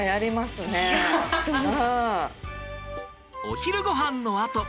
お昼ごはんのあと。